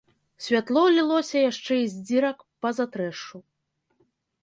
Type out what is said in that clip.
Святло лілося яшчэ і з дзірак па застрэшшу.